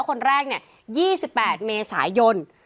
คนแรกเนี่ย๒๘เมษายน